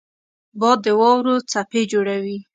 باد د واورو څپې جوړوي